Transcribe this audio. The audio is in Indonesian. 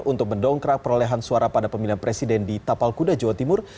untuk mendongkrak perolehan suara pada pemilihan presiden di tapal kuda jawa timur